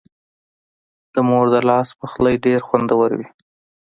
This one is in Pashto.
د مور د لاس پخلی ډېر خوندور وي.